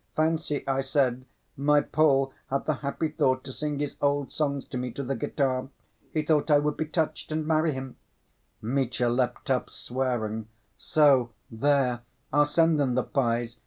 'Fancy,' I said, 'my Pole had the happy thought to sing his old songs to me to the guitar. He thought I would be touched and marry him!' Mitya leapt up swearing.... So, there, I'll send them the pies!